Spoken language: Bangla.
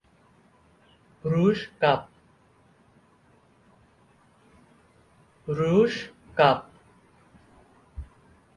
রুশ কাপ